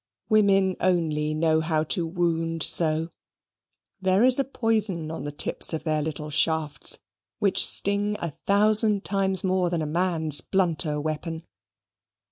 Women only know how to wound so. There is a poison on the tips of their little shafts, which stings a thousand times more than a man's blunter weapon.